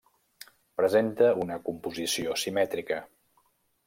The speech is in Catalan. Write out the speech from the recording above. Presenta una composició simètrica.